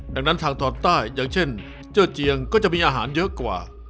ดังนั้นทางตอนใต้อย่างเช่นเจอร์เจียงก็จะมีอาหารเยอะกว่า